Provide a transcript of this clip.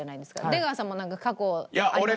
出川さんもなんか過去あります？